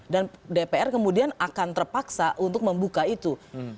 dan dpr kemudian akan terpaksa untuk membuka itu